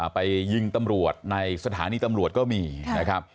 ไปยิงตำรวจในสถานีตำรวจก็มีนะครับ